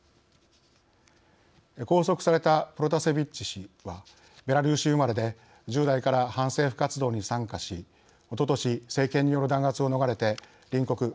拘束されたプロタセビッチ氏はベラルーシ生まれで１０代から反政府活動に参加しおととし政権による弾圧を逃れて隣国ポーランドに出国しました。